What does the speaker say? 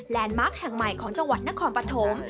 มาร์คแห่งใหม่ของจังหวัดนครปฐม